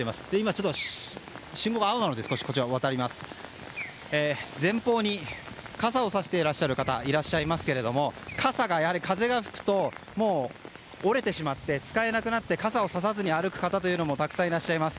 信号が青なので渡りますと前方に傘をさしている方がいらっしゃいますが傘が風が吹くと折れてしまって使えなくなって傘をささずに歩く方もたくさんいらっしゃいます。